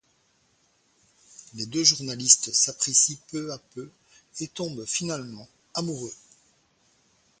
Les deux journalistes s'apprécient peu à peu et tombent finalement amoureux.